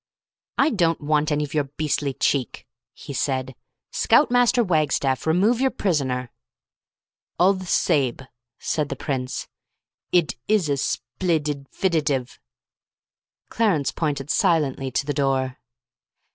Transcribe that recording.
"I don't want any of your beastly cheek," he said. "Scout Master Wagstaff, remove your prisoner." "All the sabe," said the Prince, "id is a splid idfididive." Clarence pointed silently to the door.